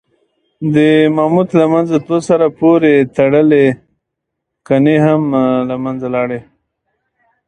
د ماموت له منځه تلو سره پورې تړلي کنې هم له منځه لاړې.